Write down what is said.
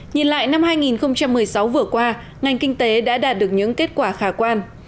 nhìn lại năm hai nghìn một mươi sáu vừa qua ngành kinh tế đã đạt được những kết quả khả quan